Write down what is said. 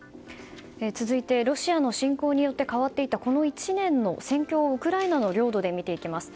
続いてロシアの侵攻によって変わっていったこの１年の戦況をウクライナの領土で見ていきます。